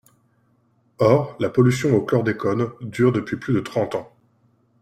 Or la pollution au chlordécone dure depuis plus de trente ans.